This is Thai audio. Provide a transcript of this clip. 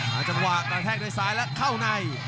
หาจังหวากแบตแท็กโดยซ้ายแล้วเข้าใน